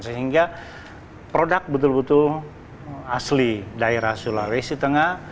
sehingga produk betul betul asli daerah sulawesi tengah